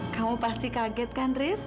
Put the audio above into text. kamu pasti kaget kan riz